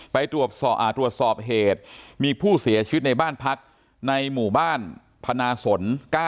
ไปตรวจสอบเหตุมีผู้เสียชีวิตในบ้านพักในหมู่บ้านพนาสน๙